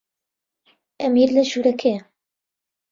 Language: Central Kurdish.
ئەمیر لە ژوورەکەیە.